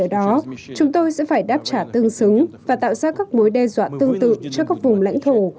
ở đó chúng tôi sẽ phải đáp trả tương xứng và tạo ra các mối đe dọa tương tự cho các vùng lãnh thổ